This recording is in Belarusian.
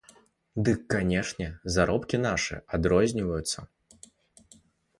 Дык канешне заробкі нашы адрозніваюцца!